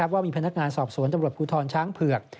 ว่ามีพนักงานสอบสวนตำรวจภูทรช้างเผือก